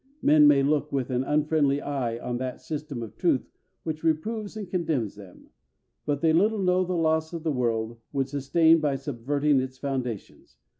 Men may look with an unfriendly eye on that system of truth which reproves and condemns them; but they little know the loss the world would sustain by subverting its foundations.